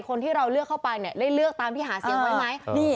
คนที่เราเลือกเข้าไปได้เลือกตามที่หาเสียงไว้ไหม